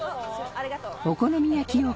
ありがと。